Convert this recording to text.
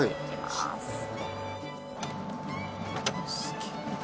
すげえ。